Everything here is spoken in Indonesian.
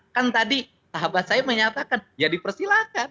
kan tadi sahabat saya menyatakan ya dipersilakan